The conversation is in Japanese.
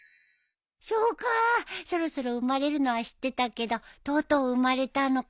そうかそろそろ生まれるのは知ってたけどとうとう生まれたのか。